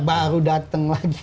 baru datang lagi